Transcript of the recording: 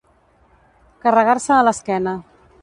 Carregar-se a l'esquena.